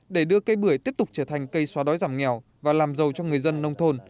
để đưa cây bưởi tiếp tục trở thành cây xóa đói giảm nghèo và làm giàu cho người dân nông thôn